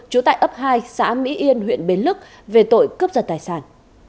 chủ tại ấp hai xã mỹ yên huyện bến lước về tội cướp giật tài sản